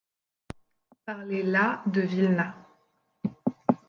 Parlez là de Vilna.